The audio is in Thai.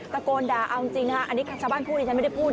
ตะโกนด่าเอาจริงนะคะอันนี้ชาวบ้านพูดที่ฉันไม่ได้พูด